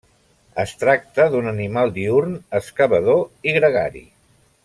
Es tracta d'un animal diürn, excavador i gregari.